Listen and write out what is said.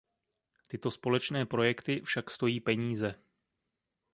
Tyto společné projekty však stojí peníze.